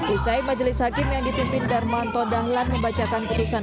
usai majelis hakim yang dipimpin darmanto dahlan membacakan putusan